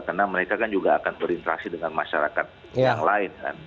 karena mereka kan juga akan berinteraksi dengan masyarakat yang lain